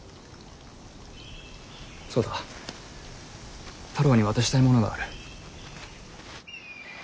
そうだ太郎に渡したいものがある。